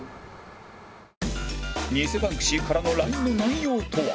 偽バンクシーからの ＬＩＮＥ の内容とは？